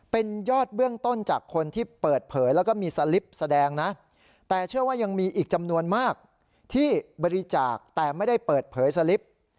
เป็นยอดเบื้องต้นจากคนที่เปิดเผยแล้วก็มีสลิปแสดงนะแต่เชื่อว่ายังมีอีกจำนวนมากที่บริจาคแต่ไม่ได้เปิดเผยสลิป